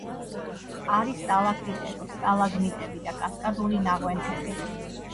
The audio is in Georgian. არის სტალაქტიტები, სტალაგმიტები და კასკადური ნაღვენთები.